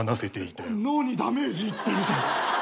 脳にダメージいってるじゃん！